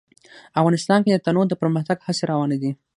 افغانستان کې د تنوع د پرمختګ هڅې روانې دي.